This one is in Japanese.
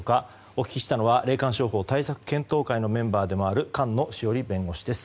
お聞きしたのは霊感商法対策検討会のメンバーでもある菅野志桜里弁護士です。